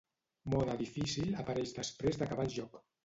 Mode difícil apareix després d'acabar el joc.